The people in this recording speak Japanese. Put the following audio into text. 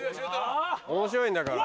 面白いんだから。